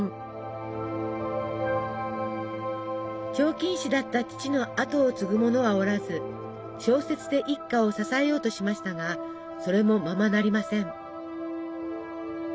彫金師だった父の跡を継ぐ者はおらず小説で一家を支えようとしましたがそれもままなりません。